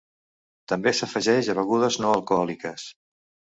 També s'afegeix a begudes no alcohòliques.